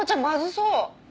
まずそう！